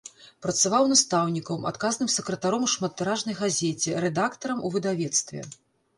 Працаваў настаўнікам, адказным сакратаром у шматтыражнай газеце, рэдактарам у выдавецтве.